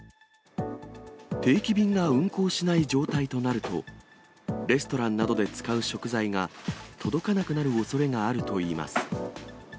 定期便が運航しない状態となると、レストランなどで使う食材が届かなくなるおそれがあるといいます。